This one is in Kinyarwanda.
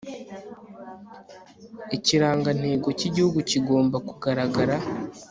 ikirangantego cy igihugu kigomba kugaragara